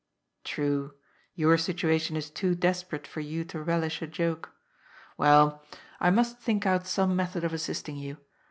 " True, your situation is too desperate for you to relish a joke. Well, I must think out some method of assisting you.